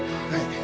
はい。